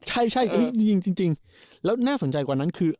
ใช่จริงแล้วน่าสนใจกว่านั้นคือ